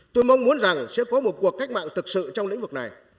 tôi mong muốn rằng sẽ có một cuộc cách mạng thực sự trong lĩnh vực này